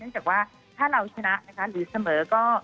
จากว่าถ้าเราชนะนะคะหรือเสมอก็